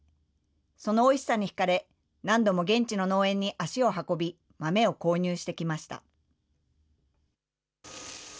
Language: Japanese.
そのおいしさに引かれ、何度も現地の農園に足を運び、豆を購入してきました。